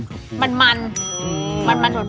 มันสดหวานกินด้วยมั้ยค่ะไทยมัน